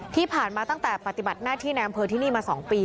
ที่ผ่านมาตั้งแต่ปฏิบัติหน้าที่ในอำเภอที่นี่มา๒ปี